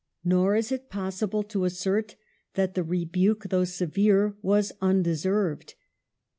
Nor is it possible to assert that the rebuke, though severe, was unde served.